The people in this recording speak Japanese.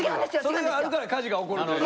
それがあるから火事が起こるんじゃ。